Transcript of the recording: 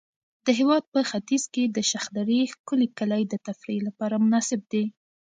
د هېواد په ختیځ کې د شخدرې ښکلي کلي د تفریح لپاره مناسب دي.